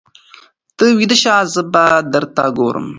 ته ویده شه زه به درته ګورم.